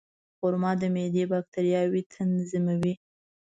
خرما د معدې باکتریاوې تنظیموي.